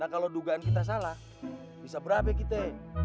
nah kalau dugaan kita salah bisa berhapik kita